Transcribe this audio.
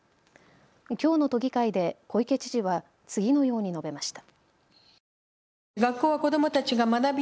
きょうの都議会で小池知事は次のように述べました。